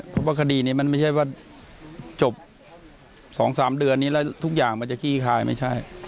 เพราะว่าคดีนี้มันไม่ใช่ว่าจบ๒๓เดือนนี้แล้วทุกอย่างมันจะขี้คายไม่ใช่